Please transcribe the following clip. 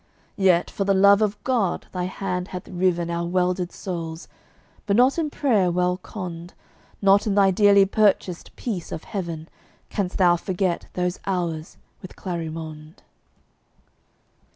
Yet, for the love of God, thy hand hath riven Our welded souls. But not in prayer well conned, Not in thy dearly purchased peace of Heaven, Canst thou forget those hours with Clarimonde.